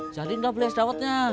jadi enggak beli es daunnya